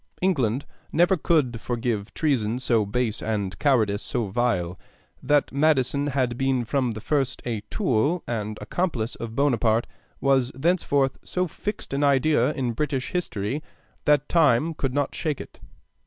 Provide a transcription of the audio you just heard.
England never could forgive treason so base and cowardice so vile. That Madison had been from the first a tool and accomplice of Bonaparte was thenceforward so fixed an idea in British history that time could not shake it.